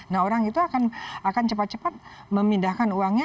nah orang itu akan cepat cepat memindahkan uangnya